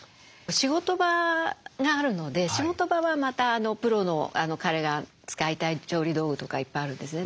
仕事場があるので仕事場はまたプロの彼が使いたい調理道具とかいっぱいあるんですね。